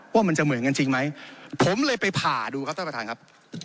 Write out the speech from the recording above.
ว่ามันจะเหมือนกันจริงไหมผมเลยไปผ่าดูครับท่านประธานครับ